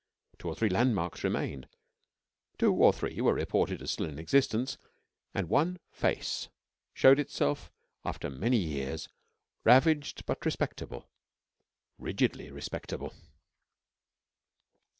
Two or three landmarks remained; two or three were reported as still in existence, and one Face showed itself after many years ravaged but respectable rigidly respectable.